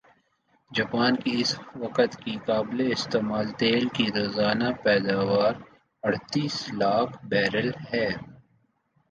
Japan کی اس وقت کی قابل استعمال تیل کی روزانہ پیداواراڑتالیس لاکھ بیرل ھے